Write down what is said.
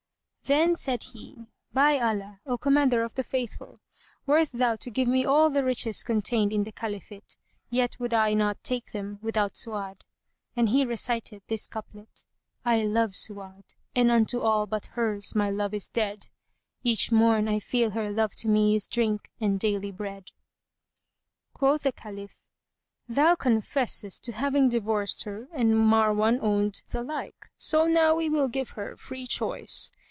Then said he, "By Allah, O Commander of the Faithful, wert thou to give me all the riches contained in the Caliphate, yet would I not take them without Su'ad." And he recited this couplet, "I love Su'ád and unto all but hers my love is dead, * Each morn I feel her love to me is drink and daily bread." Quoth the Caliph, "Thou confessest to having divorced her and Marwan owned the like; so now we will give her free choice.